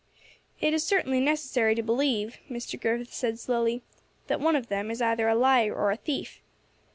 "It is certainly necessary to believe," Mr. Griffith said slowly, "that one of them is either a liar or a thief.